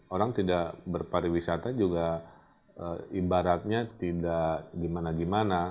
orang tidak berpariwisata juga ibaratnya tidak gimana gimana